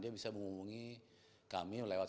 dia bisa menghubungi kami lewat satu ratus dua belas